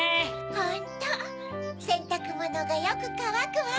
ホントせんたくものがよくかわくわ！